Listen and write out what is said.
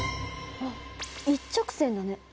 あっ一直線だね。